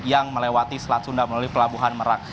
yang melewati selat sunda melalui pelabuhan merak